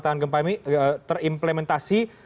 tangan gempa terimplementasi